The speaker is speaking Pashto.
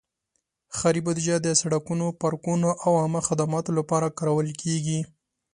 ښاري بودیجه د سړکونو، پارکونو، او عامه خدماتو لپاره کارول کېږي.